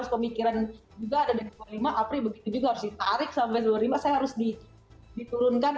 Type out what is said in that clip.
pemikiran juga ada dua puluh lima april begitu juga harus ditarik sampai dua puluh lima saya harus diturunkan